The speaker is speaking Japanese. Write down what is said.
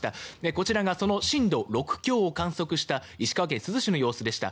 こちらがその震度６強を観測した石川県珠洲市の様子でした。